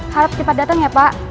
harap cepat datang ya pak